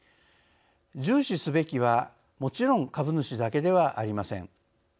重視すべきはもちろん株主だけではありません。